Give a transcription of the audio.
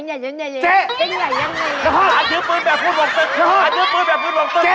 เฮ่ยเฮ่ยเฮ่ยเฮ่ย